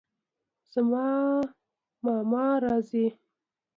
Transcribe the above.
زما ماما راځي